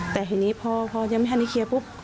แต่พอยังไม่ทันที่เคียร์ปุ๊บ